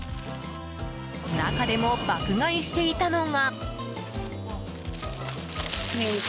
中でも、爆買いしていたのが。